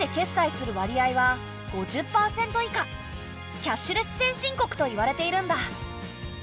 キャッシュレス先進国といわれているんだ。